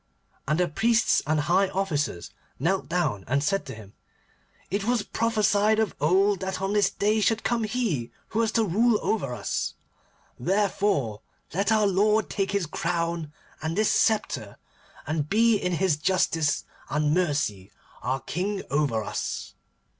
And the priests and the high officers knelt down and said to him, 'It was prophesied of old that on this day should come he who was to rule over us. Therefore, let our lord take this crown and this sceptre, and be in his justice and mercy our King over us.